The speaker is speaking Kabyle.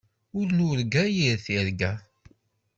Ur nurga yir tirga.